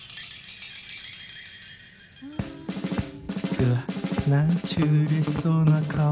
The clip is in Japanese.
うわ何ちゅううれしそうな顔